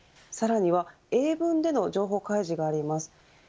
さらには英文での情報開示があります。